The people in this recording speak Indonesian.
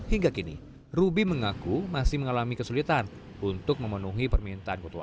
hingga kini ruby mengaku masih mengalami kesulitan untuk memenuhi permintaan ketua